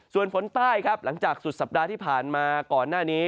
ส่วนฝนใต้ครับหลังจากสุดสัปดาห์ที่ผ่านมาก่อนหน้านี้